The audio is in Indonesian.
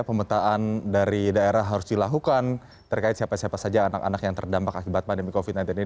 pemetaan dari daerah harus dilakukan terkait siapa siapa saja anak anak yang terdampak akibat pandemi covid sembilan belas ini